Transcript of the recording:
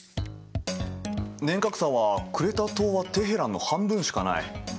年較差はクレタ島はテヘランの半分しかない。